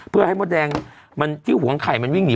เพื่อให้มดแดงที่หวงไข่มันวิ่งหนี